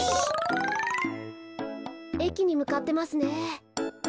えきにむかってますね。